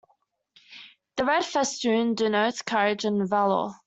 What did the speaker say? The red festoon denotes courage and valor.